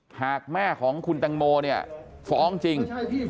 หากแม่ของคุณตังโมเนี่ยฟ้องจริง